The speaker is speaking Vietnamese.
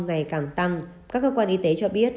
ngày càng tăng các cơ quan y tế cho biết